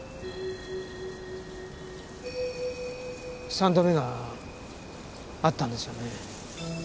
三度目があったんですよね？